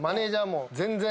もう全然。